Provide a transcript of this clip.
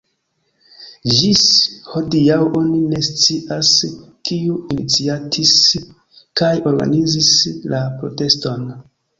Ĝis hodiaŭ oni ne scias, kiu iniciatis kaj organizis la proteston.